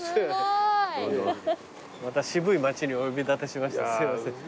また渋い街にお呼び立てしましてすいません。